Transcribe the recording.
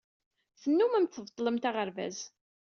Tennumemt tbeṭṭlemt aɣerbaz.